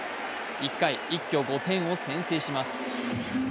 １回、一挙５点を先制します。